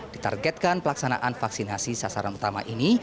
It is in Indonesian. ditargetkan pelaksanaan vaksinasi sasaran utama ini